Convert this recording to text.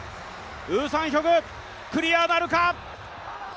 ウ・サンヒョク、クリアなるか？